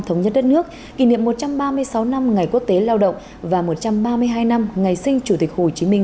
thống nhất đất nước kỷ niệm một trăm ba mươi sáu năm ngày quốc tế lao động và một trăm ba mươi hai năm ngày sinh chủ tịch hồ chí minh